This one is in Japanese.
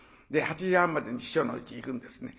８時半までに師匠のうち行くんですね。